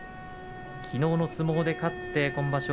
きのうの相撲で勝って今場所